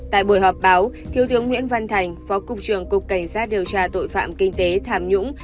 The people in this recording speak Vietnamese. tại buổi họp báo thiếu tướng nguyễn văn thành phó cục trưởng cục cảnh sát điều tra tội phạm kinh tế tham nhũng